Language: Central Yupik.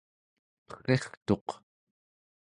perrirtuq